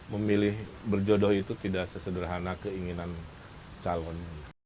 memilih berjodoh itu tidak sesederhana keinginan calon